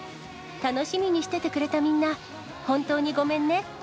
楽しみにしててくれたみんな、本当にごめんね。